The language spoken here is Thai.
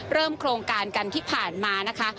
เริ่มโครงการกันที่ผ่านมานะคะ